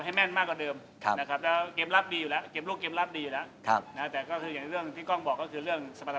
เราจะไม่เล่นแถวนี้แล้วเราจะไประดับโลกแล้วนะครับ